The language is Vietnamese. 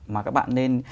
mà các bạn nên